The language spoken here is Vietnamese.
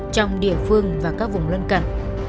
trong địa phương và các vùng lân cận